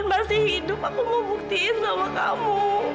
aku mau buktiin sama kamu